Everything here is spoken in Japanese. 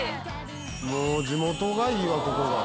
もう地元がいいわここが。